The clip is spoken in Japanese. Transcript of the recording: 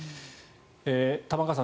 玉川さん